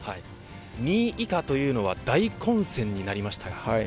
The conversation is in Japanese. ２位以下というのは大混戦になりましたが。